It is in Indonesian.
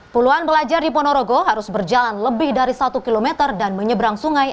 puluhan pelajar di ponorogo harus berjalan lebih dari satu km dan menyeberang sungai